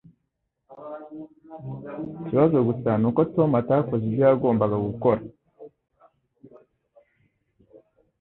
Ikibazo gusa ni uko Tom atakoze ibyo yagombaga gukora.